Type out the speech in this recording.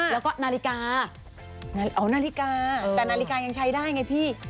แล้วก็นาฬิกานาฬิกาแต่นาฬิกายังใช้ได้ไงพี่